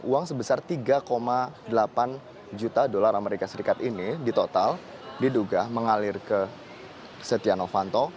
uang sebesar tiga delapan juta dolar amerika serikat ini di total diduga mengalir ke setia novanto